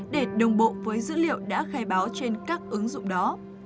để đồng bộ với dữ liệu đã khai báo trên các ứng dụng đó